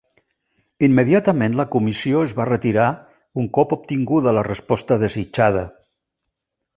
Immediatament la comissió es va retirar un cop obtinguda la resposta desitjada.